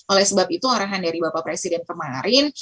oleh sebab itu arahan dari bapak presiden kemarin